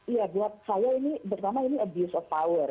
iya buat saya ini pertama ini abuse of power